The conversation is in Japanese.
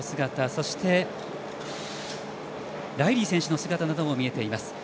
そして、ライリー選手の姿なども見えていました。